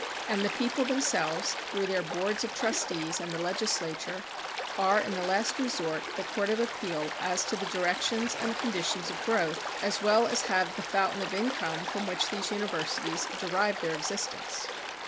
And the people themselves, through their boards of trustees and the legislature, are in the last resort the court of appeal as to the directions and conditions of growth, as well as have the fountain of income from which these universities derive their existence.